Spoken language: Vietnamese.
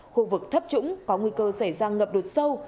khu vực thấp trũng có nguy cơ xảy ra ngập đột sâu